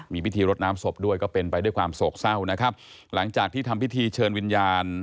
มีพิธีรดน้ำศพด้วยก็เป็นไปด้วยความโศกเศร้านะครับหลังจากที่ทำพิธีเชิญวิญญาณ